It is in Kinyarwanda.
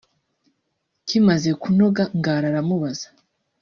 kimaze kunoga Ngara aramubaza